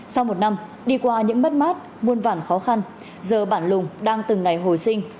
sau một năm đi qua những mất mát muôn vản khó khăn giờ bản lùng đang từng ngày hồi sinh